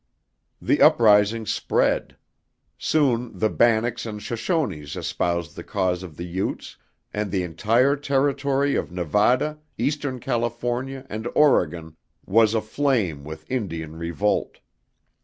The uprising spread; soon the Bannocks and Shoshones espoused the cause of the Utes, and the entire territory of Nevada, Eastern California and Oregon was aflame with Indian revolt.